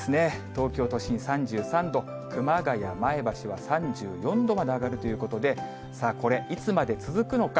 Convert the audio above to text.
東京都心３３度、熊谷、前橋は３４度まで上がるということで、さあ、これ、いつまで続くのか。